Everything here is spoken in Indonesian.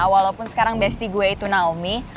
walaupun sekarang besti gue itu naomi